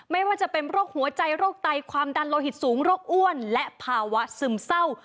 ไม่ว่าจะเป็นโรคหัวใจโรคไตความดันโลหิตสูงโรคอ้วนและภาวะซึมเศร้า